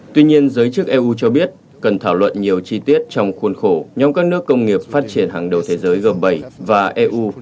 tuy nhiên giới chức eu cho biết cần thảo luận nhiều chi tiết trong khuôn khổ nhóm các nước công nghiệp phát triển hàng đầu thế giới g bảy và eu